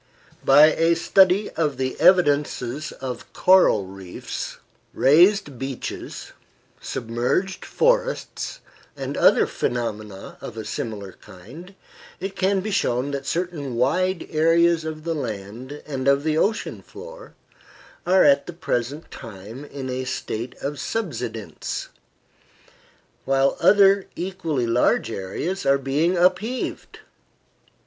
By a study of the evidences presented by coral reefs, raised beaches, submerged forests, and other phenomena of a similar kind, it can be shown that certain wide areas of the land and of the ocean floor are at the present time in a state of subsidence, while other equally large areas are being upheaved.